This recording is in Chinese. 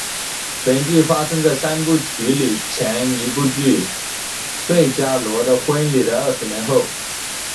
本剧发生在三部曲里前一部剧费加罗的婚礼的二十年后。